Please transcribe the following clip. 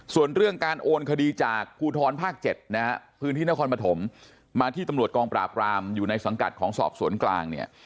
ส่วนเรื่องการโอนคดีจากภูทรภาค๗นะฮะพื้นที่นครปฐมมาที่ตำรวจกองปราบรามอยู่ในสังกัดของสอบสวนกลางเนี่ย